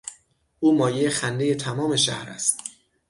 او مایهی خندهی تمام شهر است.